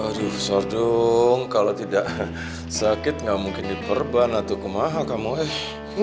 aduh sordung kalau tidak sakit nggak mungkin diperban atau kemahal kamu eh